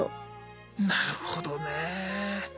なるほどね。